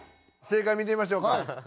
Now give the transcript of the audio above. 正解見てみましょうか。